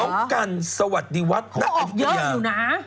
น้องกันสวัสดีวัฒน์นักอันทีเดียว